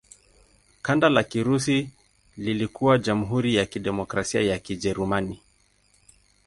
Kanda la Kirusi lilikuwa Jamhuri ya Kidemokrasia ya Kijerumani.